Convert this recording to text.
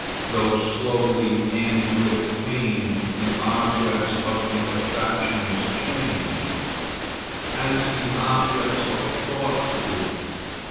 Though slowly and with pain, the objects of the affections change, as the objects of thought do.